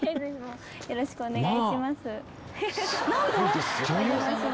よろしくお願いします。